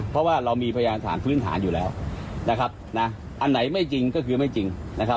เพราะว่าเรามีพยายามฐานพื้นฐานอยู่แล้วอันไหนไม่จริงก็คือไม่จริง